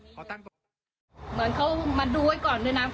เหมือนเขามาดูไว้ก่อนด้วยนะ